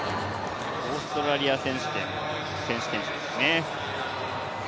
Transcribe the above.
オーストラリア選手権ですね。